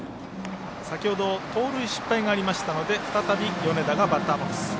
先ほど盗塁失敗がありましたので再び米田がバッターボックス。